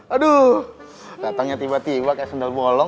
aduh datangnya tiba tiba kayak sendal bolong